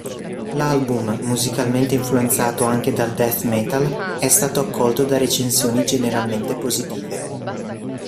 L'album, musicalmente influenzato anche dal death metal, è stato accolto da recensioni generalmente positive.